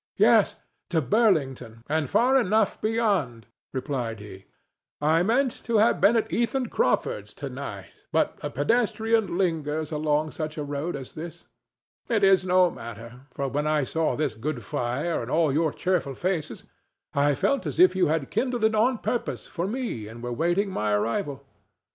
"Yes, to Burlington, and far enough beyond," replied he. "I meant to have been at Ethan Crawford's to night, but a pedestrian lingers along such a road as this. It is no matter; for when I saw this good fire and all your cheerful faces, I felt as if you had kindled it on purpose for me and were waiting my arrival.